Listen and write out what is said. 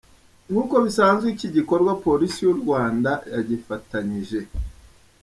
Nk’uko bisanzwe, iki gikorwa Polisi y’u Rwanda yagifatanyije